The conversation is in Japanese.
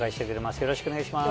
よろしくお願いします。